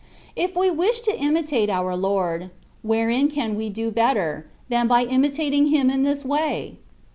If we wish to imitate our Lord, wherein can we do better — than by imitating Him in this way?